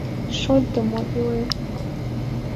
Шотдымо илем.